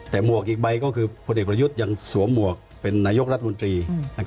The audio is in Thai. แต่หมวกอีกใบก็คือพลเอกประยุทธ์ยังสวมหมวกเป็นนายกรัฐมนตรี